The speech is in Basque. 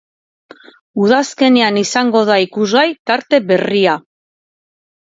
Udazkenean izango da ikusgai tarte berria.